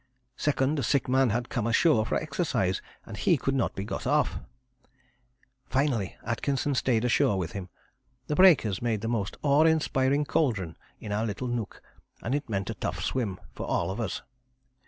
Second, a sick man had come ashore for exercise, and he could not be got off: finally, Atkinson stayed ashore with him. The breakers made the most awe inspiring cauldron in our little nook, and it meant a tough swim for all of us.